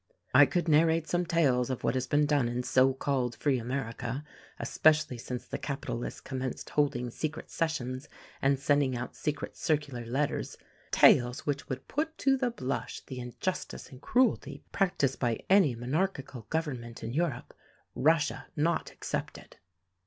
I could narrate some tales of what has been done in so called free America — especially since the capitalists commenced hold ing secret sessions and sending out secret circular letters — tales which would put to the blush the injustice and cruelty practiced by any monarchical government in Europe — Russia not excepted."